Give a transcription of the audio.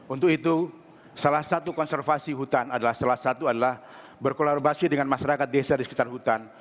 untuk itu salah satu konservasi hutan adalah salah satu adalah berkolaborasi dengan masyarakat desa di sekitar hutan